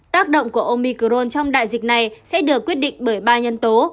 tác động của omicron trong đại dịch này sẽ được quyết định bởi ba nhân tố